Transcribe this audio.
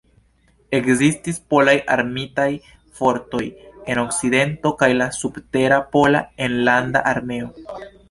Ekzistis Polaj Armitaj Fortoj en Okcidento kaj la subtera Pola Enlanda Armeo.